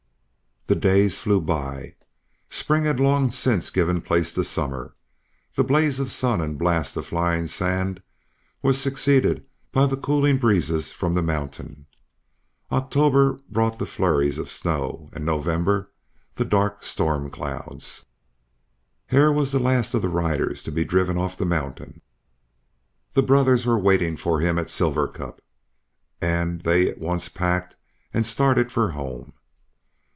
The days flew by; spring had long since given place to summer; the blaze of sun and blast of flying sand were succeeded by the cooling breezes from the mountain; October brought the flurries of snow and November the dark storm clouds. Hare was the last of the riders to be driven off the mountain. The brothers were waiting for him at Silver Cup, and they at once packed and started for home.